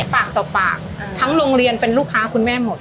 ปากต่อปากทั้งโรงเรียนเป็นลูกค้าคุณแม่หมด